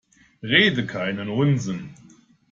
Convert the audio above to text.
Rede keinen Unsinn!